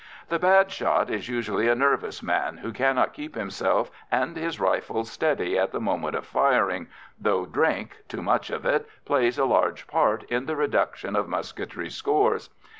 The bad shot is usually a nervous man, who cannot keep himself and his rifle steady at the moment of firing, though drink too much of it plays a large part in the reduction of musketry scores.